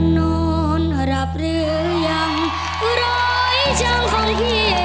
นอนรับหรือยังรอยช้างของเฮีย